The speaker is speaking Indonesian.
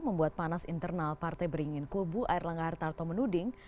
membuat panas internal partai beringin kubu air langga hartarto menuding